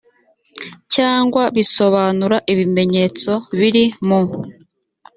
cyangwa bisobanura ibimenyetso biri mu